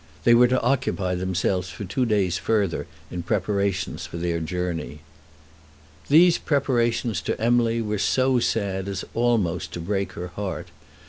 They were to occupy themselves for two days further in preparations for their journey. These preparations to Emily were so sad as almost to break her heart.